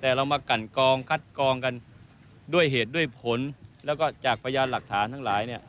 แต่เรามากันกองคัดกองกันด้วยเหตุด้วยผลแล้วก็จากพยานหลักฐานทั้งหลายเนี่ย